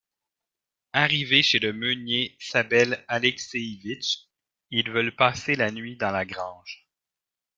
Arrivés chez le meunier Sabel Alexéivitch, ils veulent passer la nuit dans la grange.